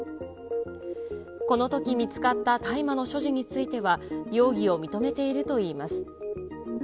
このとき、見つかった大麻の所持については、容疑を認めているといいます。